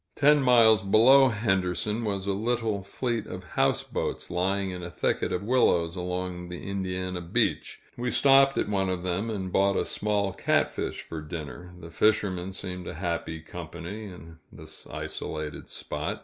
Ten miles below Henderson, was a little fleet of houseboats, lying in a thicket of willows along the Indiana beach. We stopped at one of them, and bought a small catfish for dinner. The fishermen seemed a happy company, in this isolated spot.